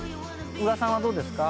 宇賀さんはどうですか？